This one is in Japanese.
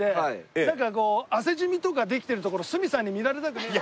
なんかこう汗染みとかできてるところ鷲見さんに見られたくねえなと。